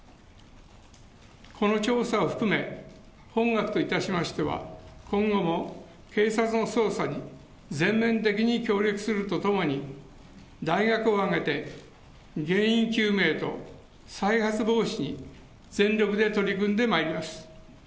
この調査を含め、本学といたしましては、今後も警察の捜査に全面的に協力するとともに、大学を挙げて原因究明と再発防止に全力で取り組んでまいります。